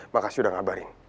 makasih udah ngabarin